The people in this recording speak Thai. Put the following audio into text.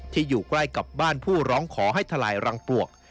อยู่ใกล้กับบ้านผู้ร้องขอให้ทลายรังปลวก